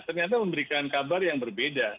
ternyata memberikan kabar yang berbeda